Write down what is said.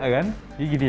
ketemu orang yang beda kan